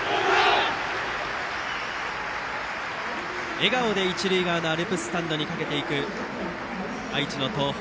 笑顔で一塁側のアルプススタンドに駆けていく愛知の東邦。